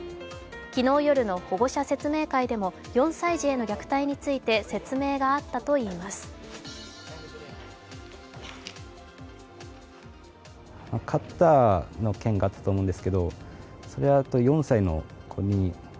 昨日夜の保護者説明会でも４歳児への虐待行為について説明があったといいます。